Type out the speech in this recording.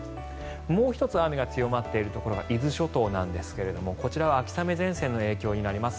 もう１つ雨が強まっているところが伊豆諸島なんですがこちらは秋雨前線の影響になります。